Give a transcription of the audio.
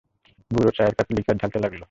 বুড়ো চায়ের কাপে লিকার ঢালতে লাগল।